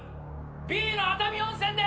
Ｂの熱海温泉で！